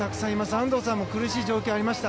安藤さんも苦しい状況、ありました。